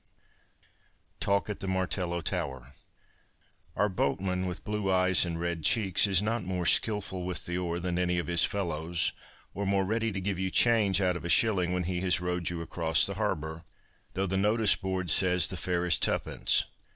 205 TALK AT THE MARTELLO TOWER Our boatman with blue eyes and red cheeks is not more skilful with the oar than any of his fellows or more ready to give you change out of a shilling when he has rowed you across the harbour, though the notice board says the fare is twopence.